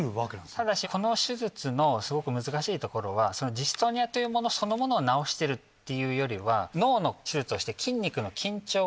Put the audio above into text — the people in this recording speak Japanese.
ただしこの手術のすごく難しいところはジストニアというものそのものを治してるっていうよりは脳の手術をして。